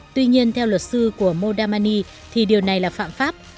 tuy nhiên theo luật sư của modimani thì điều này là phạm pháp